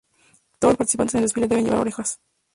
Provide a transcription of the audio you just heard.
Todos los participantes en el desfile deben llevar orejeras.